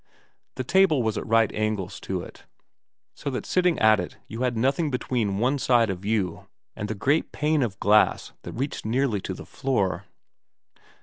The table was at right angles to it, so that sitting at it you had nothing between one side of you and the great pane of glass that reached nearly to the floor.